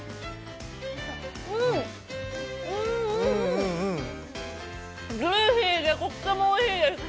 うん、うんうん、ジューシーでとってもおいしいです。